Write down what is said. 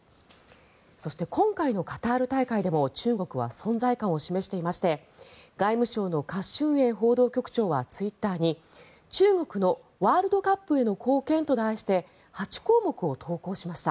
そして、今回のカタール大会でも中国は存在感を示していまして外務省のカ・シュンエイ報道局長はツイッターに中国のワールドカップへの貢献と題して８項目を投稿しました。